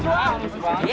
eh dia malah keluar